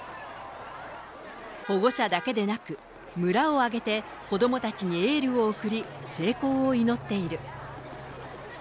保護者だけでなく、村を挙げて、子どもたちにエールを送り、成功を祈っている。